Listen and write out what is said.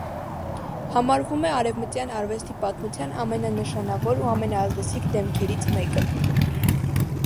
Համարվում է արևմտյան արվեստի պատմության ամենանշանավոր ու ամենաազդեցիկ դեմքերից մեկը։